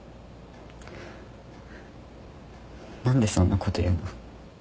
何でそんなこと言うの？